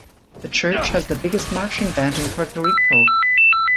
The church has the biggest marching band in Puerto Rico.